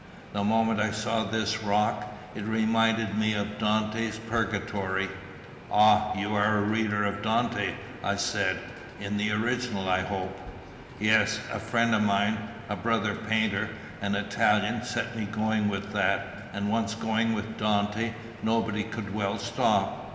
"The moment I saw this rock, it reminded me of Dante's Purgatory." "Ah, you are a reader of Dante?" I said. "In the original, I hope." "Yes. A friend of mine, a brother painter, an Italian, set me going with that, and once going with Dante, nobody could well stop.